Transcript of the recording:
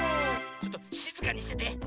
ちょっとしずかにしてて。